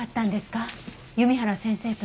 弓原先生とは。